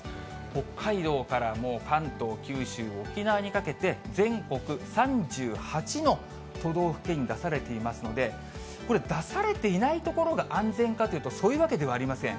北海道からもう関東、九州、沖縄にかけて、全国３８の都道府県に出されていますので、これ、出されていない所が安全かというと、そういうわけではありません。